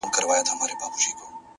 o زړه تا دا كيسه شــــــــــروع كــړه؛